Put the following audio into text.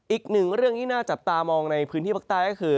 อีกหนึ่งเรื่องที่น่าจับตามองในพื้นที่ภาคใต้ก็คือ